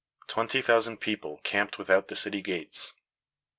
Twenty thousand people camped without the city gates.